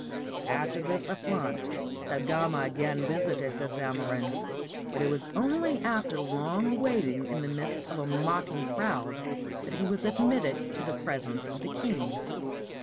After this affront Da Gama again visited the Zamorin, but it was only after long waiting in the midst of a mock ing crowd, that he was admitted to the presence of the king.